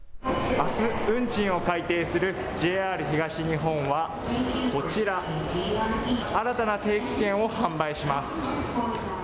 あす、運賃を改定するＪＲ東日本はこちら、新たな定期券を販売します。